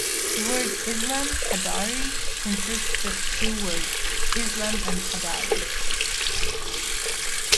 The word Islam Hadhari consists of two words, Islam and Hadhari.